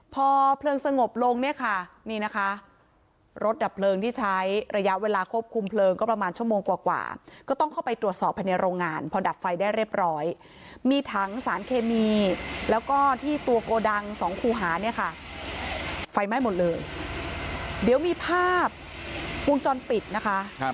พอเพลิงสงบลงเนี่ยค่ะนี่นะคะรถดับเพลิงที่ใช้ระยะเวลาควบคุมเพลิงก็ประมาณชั่วโมงกว่าก็ต้องเข้าไปตรวจสอบภายในโรงงานพอดับไฟได้เรียบร้อยมีถังสารเคมีแล้วก็ที่ตัวโกดังสองคูหาเนี่ยค่ะไฟไหม้หมดเลยเดี๋ยวมีภาพวงจรปิดนะคะ